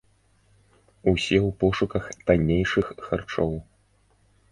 Усе ў пошуках таннейшых харчоў.